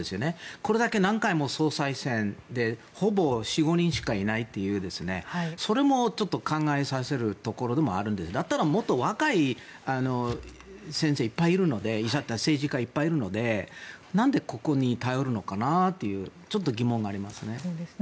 これだけ何回も総裁選でほぼ４５人しかいないというそれもちょっと考えさせるところでもあるのでだったらもっと若い先生いっぱいいるのでいい政治家いっぱいいるのでなんでここに頼るのかなってちょっと疑問がありますね。